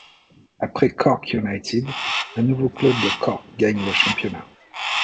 Après Cork United, un nouveau club de Cork gagne le championnat.